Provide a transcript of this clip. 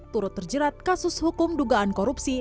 turut terjerat kasus hukum dugaan korupsi